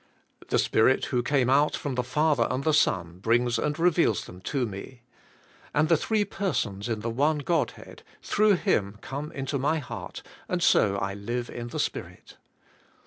The Spirit who came out from the Father and the Son brings and reveals them to me. And the three persons in the one God Head through Him come in to my heart and so I live in the Spirit.